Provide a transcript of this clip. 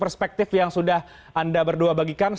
perspektif yang sudah anda berdua bagikan